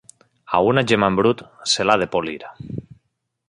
A una gema en brut se l'ha de polir.